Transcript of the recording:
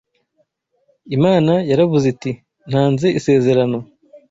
Imana yaravuze iti ‘ntanze isezerano